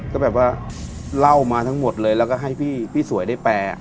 ก็แบบว่าเล่ามาทั้งหมดเลยแล้วก็ให้พี่สวยได้แปล